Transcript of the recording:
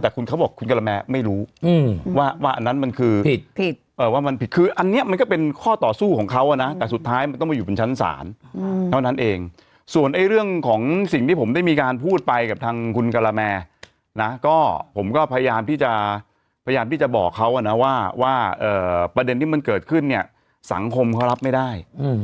แต่คุณเขาบอกคุณกะละแมไม่รู้ว่าอันนั้นมันคือผิดว่ามันผิดคืออันนี้มันก็เป็นข้อต่อสู้ของเขานะแต่สุดท้ายมันต้องไปอยู่บนชั้นศาลเท่านั้นเองส่วนเรื่องของสิ่งที่ผมได้มีการพูดไปกับทางคุณกะละแมนะก็ผมก็พยายามที่จะพยายามที่จะบอกเขานะว่าประเด็นที่มันเกิดขึ้นเนี่ยสังคมเขารับไม่ได้